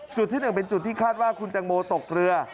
ที่๑เป็นจุดที่คาดว่าคุณแตงโมตกเรือ